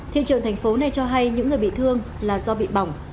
thiên trưởng thành phố này cho hay những người bị thương là do bị bỏng